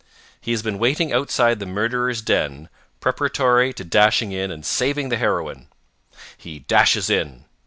He has been waiting outside the murderer's den preparatory to dashing in and saving the heroine. He dashes in.